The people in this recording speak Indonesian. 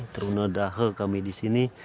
terunodah kami disini